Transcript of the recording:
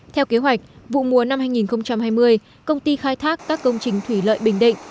theo kế hoạch vụ mùa năm hai nghìn hai mươi công ty khai thác các công trình thủy lợi bình định